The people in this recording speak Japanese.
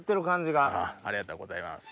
ありがとうございます。